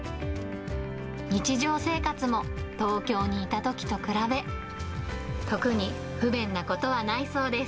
日常生活も東京にいたときと比べ、特に不便なことはないそうです。